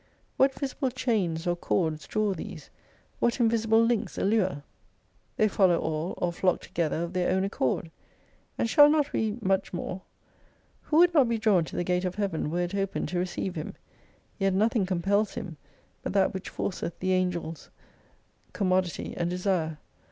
What visible chains or cords draw these ? What invisible links allure ? They 40 follow all, or flock together of their own accord. And shall not we much more ! Who would not be drawn to the Gate of Heaven, were it open to receive him ? Yet nothing compels him, but that which forceth the Angels, Commodity and Desire.